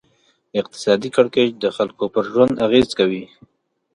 اقتصادي کړکېچ د خلکو پر ژوند اغېز کوي.